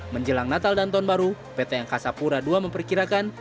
menjelang natal dan tahun baru pt angkasa pura ii memperkirakan